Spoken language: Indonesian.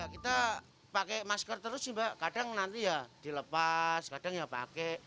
kita pakai masker terus sih mbak kadang nanti ya dilepas kadang ya pakai